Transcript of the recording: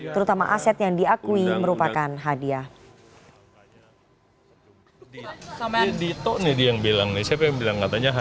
terutama aset yang diakui merupakan hadiah